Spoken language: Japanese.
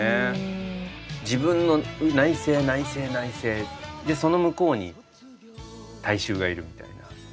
自分の内省内省内省でその向こうに大衆がいるみたいな。